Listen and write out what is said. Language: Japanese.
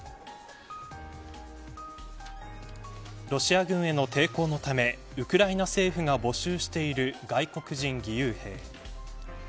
ロシア軍への抵抗のためウクライナ政府が募集している外国人義勇兵。